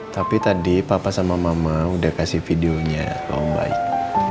tapi tadi papa sama mama udah kasih videonya kaum baik